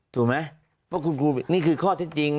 ถูกไหมนี่คือข้อเท็จจริง